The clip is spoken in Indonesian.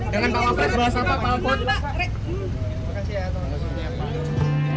dengan pak wapres bahas apa pak